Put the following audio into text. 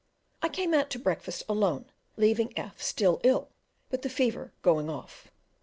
I came out to breakfast alone, leaving F still ill, but the fever going off.